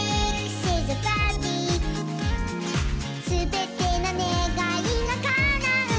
「すべてのねがいがかなうなら」